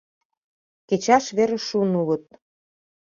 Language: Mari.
Кечаш верыш шуын улыт...»